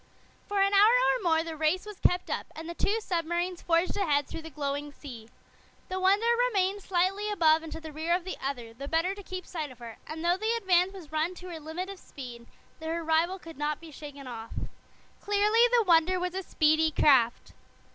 For an hour or more the race was kept up, and the two submarines forged ahead through the glowing sea. The Wonder remained slightly above and to the rear of the other, the better to keep sight of her, and though the Advance was run to her limit of speed, her rival could not be shaken off. Clearly the Wonder was a speedy craft.